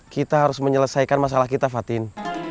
kita harus menyelesaikan masalah kita fatin